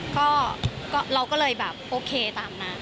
ก็เราก็เลยแบบโอเคตามนั้น